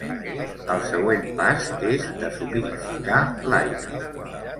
El següent pas és deshumidificar l'aire.